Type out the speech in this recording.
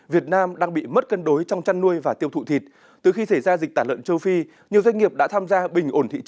việt nam đang bị mất cân đối trong chăn nuôi và tiêu thụ thịt